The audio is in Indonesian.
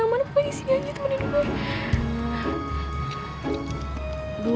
yunus ni ibu